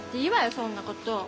そんなこと。